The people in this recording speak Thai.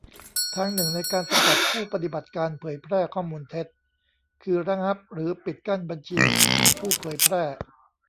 ทางหนึ่งในการสกัดผู้ปฏิบัติการเผยแพร่ข้อมูลเท็จ คือระงับหรือปิดกั้นบัญชีผู้เผยแพร่